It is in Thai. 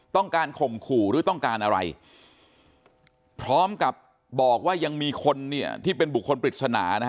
ต้องการข่มขู่หรือต้องการอะไรพร้อมกับบอกว่ายังมีคนที่เป็นบุคคลปริศนา